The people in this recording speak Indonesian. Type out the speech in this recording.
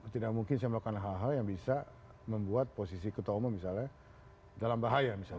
tidak mungkin saya melakukan hal hal yang bisa membuat posisi ketua umum misalnya dalam bahaya